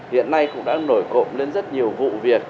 hiện nay cũng đang nổi cộm lên rất nhiều vụ việc